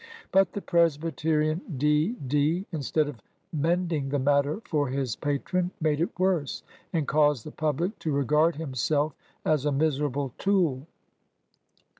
But the Presbyterian D.D., instead of mending the matter for his patron, made it worse, and caused the public to regard himstlf as a miserable tool.